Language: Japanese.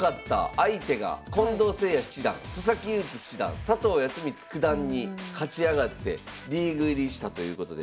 相手が近藤誠也七段佐々木勇気七段佐藤康光九段に勝ち上がってリーグ入りしたということで。